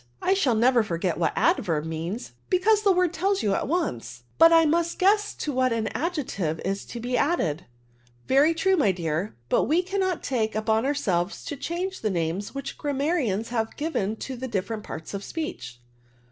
I shall never forget what adverb means^ be* ADYBRBSU 77 cause the word tells you at once ; but I must guess to what an adjective is to be added/' '^ Veiy true, my dear ; but we cannot take upon ourselves to change the names which grammarians have given to the different parts of speech.